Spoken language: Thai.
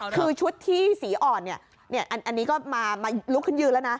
คือชุดที่สีอ่อนเนี่ยอันนี้ก็มาลุกขึ้นยืนแล้วนะ